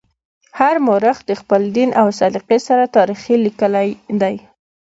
هر مورخ د خپل دین او سلیقې سره تاریخ لیکلی دی.